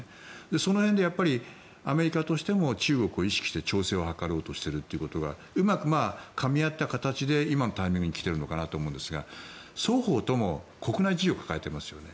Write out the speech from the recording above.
その辺でアメリカとしても中国を意識して調整を図ろうとするということがうまくかみ合った形で今のタイミングに来ているのかなと思いますが双方とも国内事情を抱えていますよね。